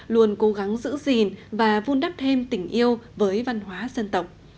luôn cố gắng giữ gìn và vun đắp thêm tình yêu với văn hóa dân tộc